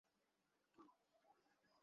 আমরা ইতিমধ্যেই শ্রেষ্ঠ।